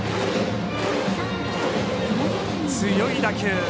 強い打球。